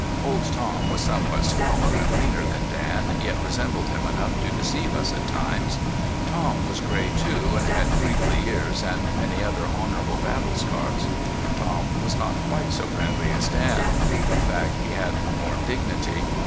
Old Tom was somewhat smaller and leaner than Dan, yet resembled him enough to deceive us at times. Tom was gray, too, and had crinkly ears, and many other honorable battle scars. Tom was not quite so friendly as Dan; in fact he had more dignity.